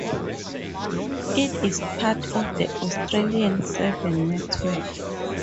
It is part of the Australian Seven Network.